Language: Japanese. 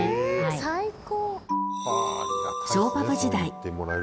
最高！